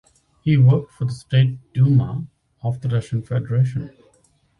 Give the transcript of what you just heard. He worked for the State Duma of the Russian Federation.